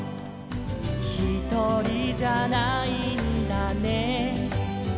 「ひとりじゃないんだね」